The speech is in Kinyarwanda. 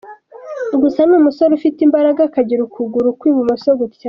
Gusa ni umusore ufite imbaraga akagira ukuguru kw’ibumoso gutyaye.